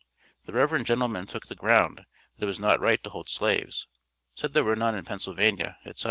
The reverend gentleman took the ground that it was not right to hold slaves, said there were none in Pennsylvania, etc.